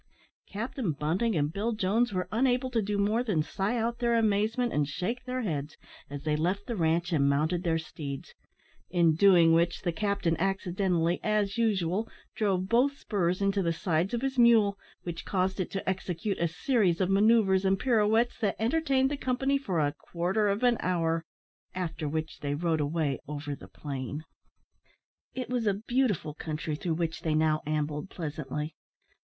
Captain Bunting and Bill Jones were unable to do more than sigh out their amazement and shake their heads, as they left the ranche and mounted their steeds; in doing which the captain accidentally, as usual, drove both spurs into the sides of his mule, which caused it to execute a series of manoeuvres and pirouettes that entertained the company for a quarter of an hour, after which they rode away over the plain. It was a beautiful country through which they now ambled pleasantly.